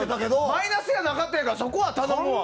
マイナスやなかってんやからそこは頼むわ。